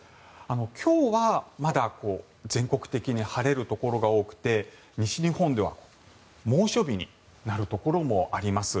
今日はまだ全国的に晴れるところが多くて西日本では猛暑日になるところもあります。